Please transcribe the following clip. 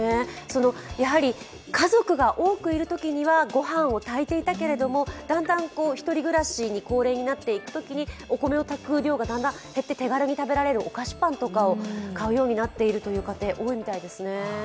家族が多くいるときにはご飯を炊いていたけれどだんだん１人暮らしに、高齢になっていくときに、お米を炊く量がだんだん減って、手軽に食べられるお菓子パンとかを買うようになっている家庭、多いみたいですね。